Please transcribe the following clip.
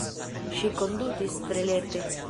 Ŝi kondutis tre lerte.